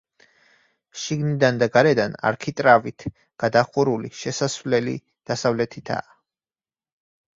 შიგნიდან და გარედან არქიტრავით გადახურული შესასვლელი დასავლეთითაა.